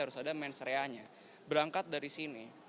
harus ada mensreanya berangkat dari sini